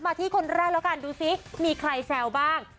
ที่คนแรกแล้วกันดูสิมีใครแซวบ้าง